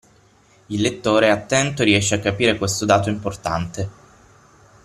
Il lettore attento riesce a capire questo dato importante.